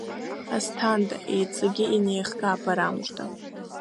Асҭанда, иҵегь инеихга, барамыжда!